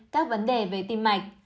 hai các vấn đề về tim mạch